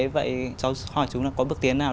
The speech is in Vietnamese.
vậy cháu hỏi chú là có bước tiến nào